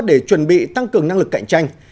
để chuẩn bị tăng cường năng lực cạnh tranh